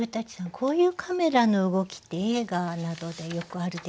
こういうカメラの動きって映画などでよくあるでしょうか？